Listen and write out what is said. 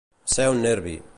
Ser un nervi.